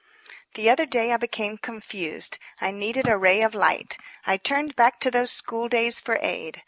The other day I became confused. I needed a ray of light. I turned back to those school days for aid.